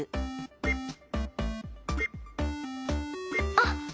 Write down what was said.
あっ！